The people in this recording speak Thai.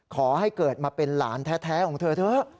ขอให้เกิดมาเป็นหลานแท้ของเธอเถอะ